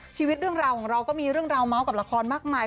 ชีวิตเรื่องราวของเราก็มีเรื่องราวเมาส์กับละครมากมาย